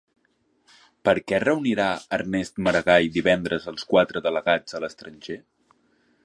Per què reunirà Ernest Maragall divendres els quatre delegats a l'estranger?